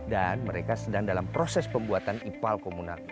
dan mereka sedang dalam proses pembuatan ipal komunal